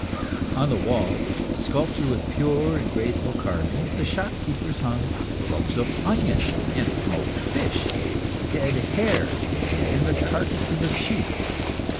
On the walls, sculptured with pure and graceful carvings, the shop keepers hung ropes of onions, and smoked fish, dead hares, and the carcases of sheep.